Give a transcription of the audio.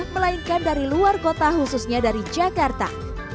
melainkan dari luar kota khususnya dari jakarta